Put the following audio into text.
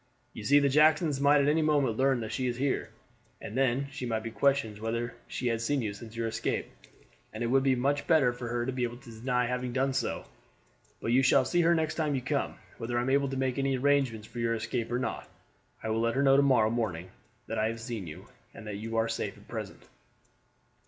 "You see the Jacksons might at any moment learn that she is here, and then she might be questioned whether she had seen you since your escape; and it would be much better for her to be able to deny having done so. But you shall see her next time you come, whether I am able to make any arrangements for your escape or not. I will let her know to morrow morning that I have seen you, and that you are safe at present."